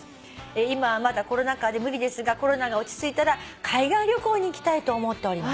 「今はまだコロナ禍で無理ですがコロナが落ち着いたら海外旅行に行きたいと思っております」